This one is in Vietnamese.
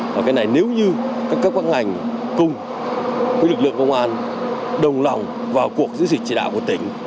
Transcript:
và cái này nếu như các cấp các ngành cùng với lực lượng công an đồng lòng vào cuộc giữ dịch chỉ đạo của tỉnh